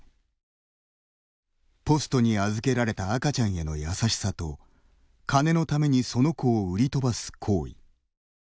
ポストに預けられた赤ちゃんへの優しさと金のためにその子を売り飛ばす行為。